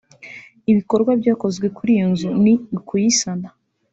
Ibikorwa byakozwe kuri iyo nzu ni ukuyisana